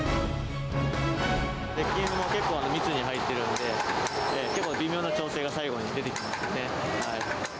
鉄筋も結構密に入ってるんで、結構微妙な調整が最後に出てきますね。